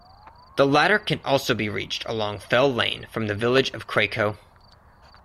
The latter can also be reached along Fell Lane from the village of Cracoe.